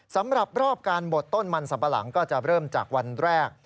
สำหรับรอบการบดต้นมันสัมปะหลังก็จะเริ่มจากวันแรก